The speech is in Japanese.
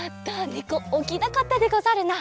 ねこおきなかったでござるな。